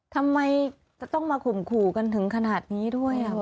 ทำไมจะต้องมาข่มขู่กันถึงขนาดนี้ด้วย